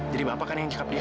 jadi bapak kan yang nyekap dia